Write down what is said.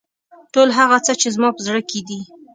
ټول هغه څه چې زما په زړه کې دي.